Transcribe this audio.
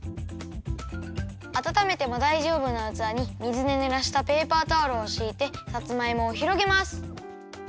あたためてもだいじょうぶなうつわに水でぬらしたペーパータオルをしいてさつまいもをひろげます。